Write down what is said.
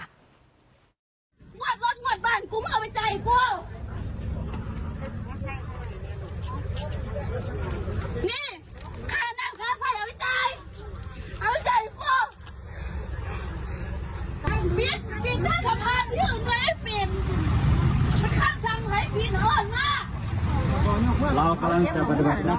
งวดรถงวดบาร์ดกุ้มเอาไปใจกความ